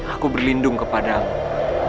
aku berlindung kepadamu